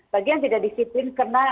bagian tidak disiplin karena